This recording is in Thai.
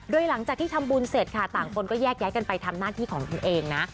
โดยหลังจากที่ทำบุญเสร็จค่ะต่างคนก็แยกย้ายกันไปทำหน้าที่ของคุณเองนะ